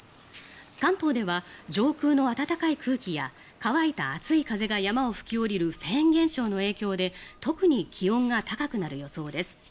関東では上空の暖かい空気や乾いた熱い風が山を吹き下りるフェーン現象の影響で特に気温が高くなる予想です。